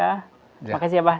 terima kasih abah